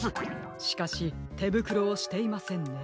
しかしてぶくろをしていませんね。